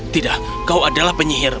tidak kau adalah penyihir